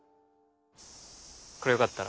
これよかったら。